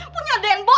punya deng boi